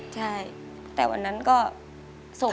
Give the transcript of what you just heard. ใช่แต่วันนั้นก็ส่ง